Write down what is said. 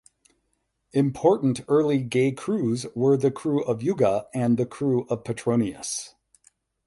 Important early gay krewes were the Krewe of Yuga and the Krewe of Petronius.